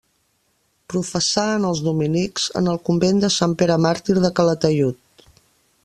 Professà en els dominics en el convent de Sant Pere Màrtir de Calataiud.